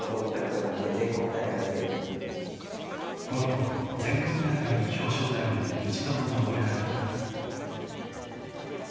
［このころ全国大会の表彰台に一度も上れなかった］